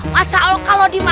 masa allah kalau dimakan